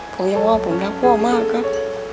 ผมยังว่าผมรักพ่อมากครับ